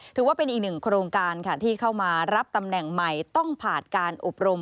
ถือว่าเป็นอีกหนึ่งโครงการค่ะที่เข้ามารับตำแหน่งใหม่ต้องผ่านการอบรม